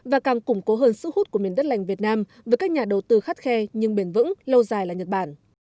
và càng củng cố hơn sức hút của miền đất lành việt nam với các nhà đầu tư khắt khe nhưng bền vững lâu dài là nhật bản